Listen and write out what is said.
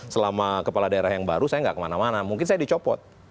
selama kepala daerah yang baru saya nggak kemana mana mungkin saya dicopot